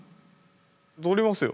撮りますよ。